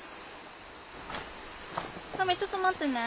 ちょっと待ってね。